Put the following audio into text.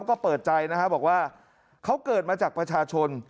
ก็เปิดใจนะครับบอกว่าเขาเกิดมาจากประชาชน